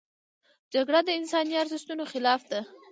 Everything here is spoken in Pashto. جګړه د انساني ارزښتونو خلاف ده